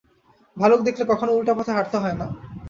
ভালুক দেখলে কখনও উল্টো পথে হাঁটতে হয় না।